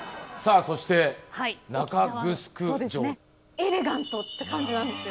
エレガントって感じなんですよ。